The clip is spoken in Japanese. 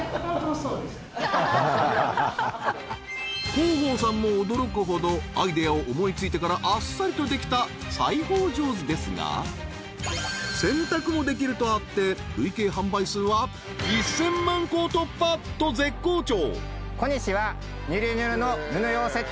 広報さんも驚くほどアイデアを思いついてからあっさりとできた裁ほう上手ですが洗濯もできるとあって累計販売数は１０００万個を突破と絶好調！